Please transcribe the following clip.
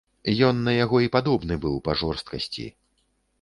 Ён на яго і падобны быў па жорсткасці.